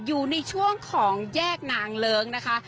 อยู่ในช่วงของแยกนางเลิ้งนะคะ